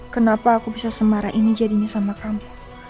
kenapa aku bisa semara ini jadinya sama kamu